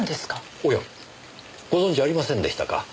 おやご存じありませんでしたか？